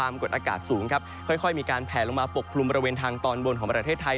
มีการแผลลงมาปกกลุ่มบริเวณทางตอนบนของประเทศไทย